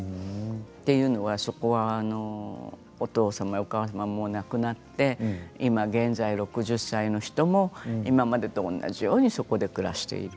というのはそこはお父様やお母様も亡くなって今現在６０歳の人も今までと同じようにそこで暮らしている。